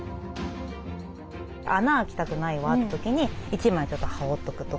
穴開きたくないわって時に１枚ちょっと羽織っとくとか。